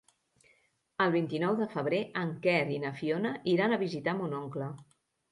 El vint-i-nou de febrer en Quer i na Fiona iran a visitar mon oncle.